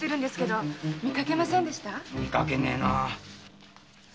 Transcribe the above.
見かけねえな。